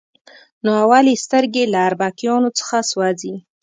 نو اول یې سترګې له اربکیانو څخه سوځي.